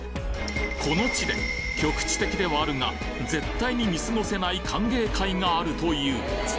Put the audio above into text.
この地で局地的ではあるが、絶対に見過ごせない歓迎会があるという。